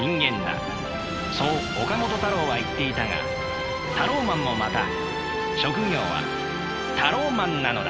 そう岡本太郎は言っていたがタローマンもまた職業はタローマンなのだ。